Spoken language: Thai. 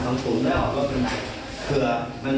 ต้องขาดลง